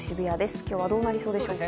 今日はどうなりそうでしょうか？